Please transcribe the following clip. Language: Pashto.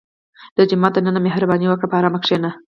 • د جومات دننه مهرباني وکړه، په ارام کښېنه.